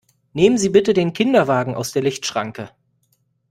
Nehmen Sie bitte den Kinderwagen aus der Lichtschranke!